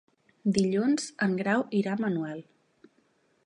Dilluns en Grau irà a Manuel.